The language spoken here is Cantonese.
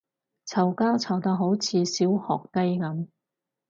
嘈交嘈到好似小學雞噉